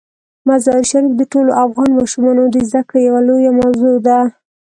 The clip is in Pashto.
مزارشریف د ټولو افغان ماشومانو د زده کړې یوه لویه موضوع ده.